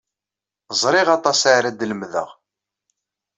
Ẓriɣ aṭas ara d-lemdeɣ.